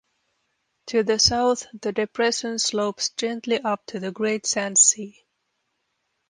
To the south the depression slopes gently up to the Great Sand Sea.